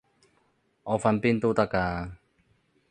我瞓邊都得㗎